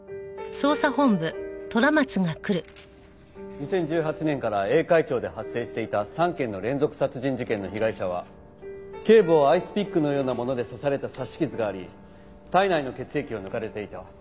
２０１８年から栄海町で発生していた３件の連続殺人事件の被害者は頸部をアイスピックのようなもので刺された刺し傷があり体内の血液を抜かれていた。